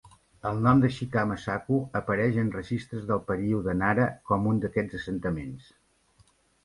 El nom de "Shikama-saku" apareix en registres del període Nara com un d'aquests assentaments.